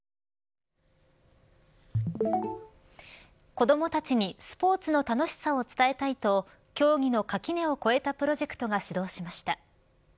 子どもたちにスポーツの楽しさを伝えたいと競技の垣根を越えたプロジェクトが始動しました。